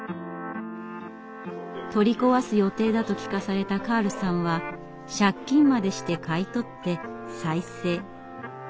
取り壊す予定だと聞かされたカールさんは借金までして買い取って再生。